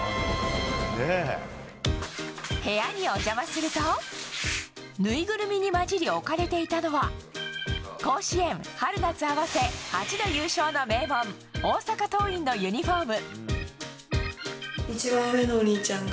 部屋にお邪魔するとぬいぐるみに交じり置かれていたのは甲子園、春夏合わせ８度優勝の名門大阪桐蔭のユニホーム。